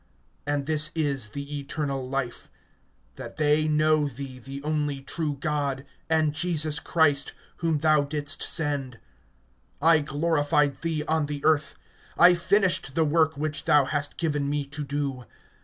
(3)And this is the eternal life, that they know thee the only true God, and Jesus Christ, whom thou didst send. (4)I glorified thee on the earth; I finished the work which thou hast given me to do.